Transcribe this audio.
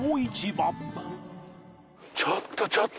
ちょっとちょっと。